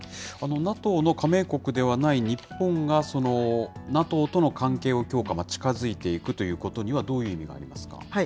ＮＡＴＯの加盟国ではない日本が、ＮＡＴＯとの関係を強化、近づいていくということには、どういう意味がありますか？